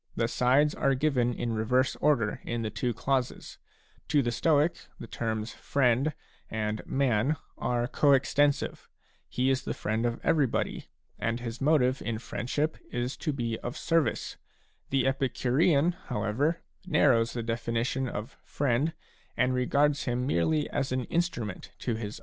* The sides are given in reverse order in the two clauses : to the Stoic the terms " friend " and " man " are co extensive ; he is the friend of everybody, and his motive in friendship is to be of service ; the Epicurean, however, narrows the definition of friend " and regards him merely as an instru ment to his own happiness.